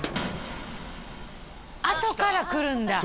あとからくるん